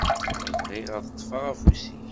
Bɣiɣ ad ṭṭfeɣ afus-ik.